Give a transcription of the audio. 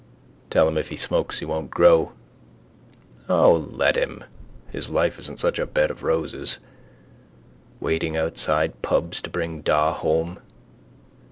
Tell him if he smokes he won't grow. O let him! His life isn't such a bed of roses. Waiting outside pubs to bring da home.